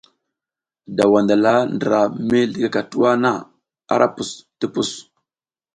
Daw wandala ndra mi zligaka tuwa na ara pus ti pus.